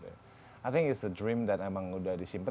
saya pikir itu mimpi yang memang sudah disimpan